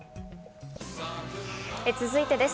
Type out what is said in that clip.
続いてです。